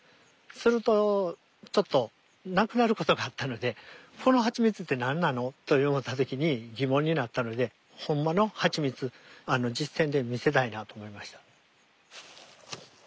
するとちょっと亡くなることがあったのでこのハチミツって何なの？と思った時に疑問になったのでほんまのハチミツ実践で見せたいなと思いました。